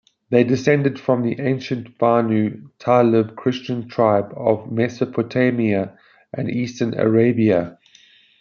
They descended from the ancient Banu Taghlib Christian tribe of Mesopotamia and Eastern Arabia.